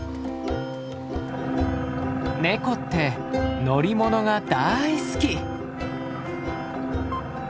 ネコって乗り物が大好き！